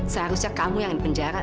seharusnya kamu yang di penjara tau gak